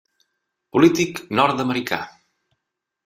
Polític nord-americà.